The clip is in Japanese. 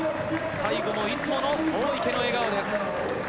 最後もいつもの大池の笑顔です。